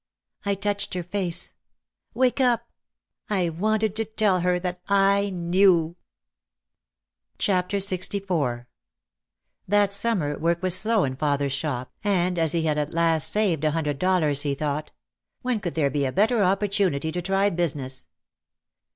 I touched her face, "Wake up!" I wanted to tell her that I knew. 310 OUT OF THE SHADOW LXIV That summer work was slow in father's shop, and as he had at last saved a hundred dollars he thought, "When could there be a better opportunity to try business